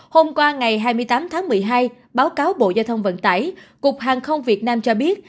hôm qua ngày hai mươi tám tháng một mươi hai báo cáo bộ giao thông vận tải cục hàng không việt nam cho biết